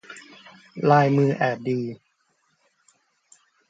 ลายมือแอบดี